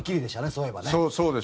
そういえばね。